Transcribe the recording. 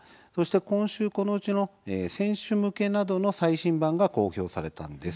今週、このうちの選手向けなどの最新版が公表されたんです。